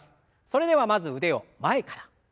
それではまず腕を前から。